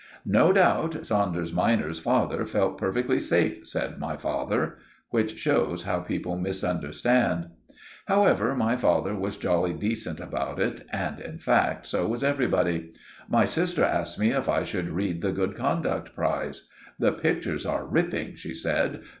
"No doubt Saunders minor's father felt perfectly safe," said my father. Which shows how people misunderstand. However, my father was jolly decent about it; and, in fact, so was everybody. My sister asked me if I should read the Good Conduct Prize. "The pictures are ripping," she said.